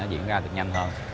diễn ra được nhanh hơn